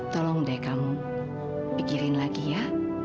tolong deh kamu pikirin lagi ya